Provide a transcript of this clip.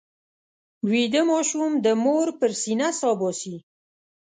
ویده ماشوم د مور پر سینه سا باسي